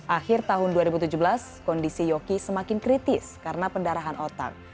akhir tahun dua ribu tujuh belas kondisi yoki semakin kritis karena pendarahan otak